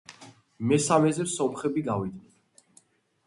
მესამეზე სომხები გავიდნენ.